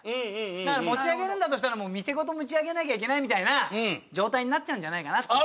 だから持ち上げるんだとしたら店ごと持ち上げなきゃいけないみたいな状態になっちゃうんじゃないかなっていう。